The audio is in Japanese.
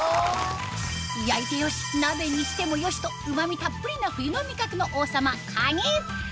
焼いて良し鍋にしても良しとうま味たっぷりの冬の味覚の王様かに！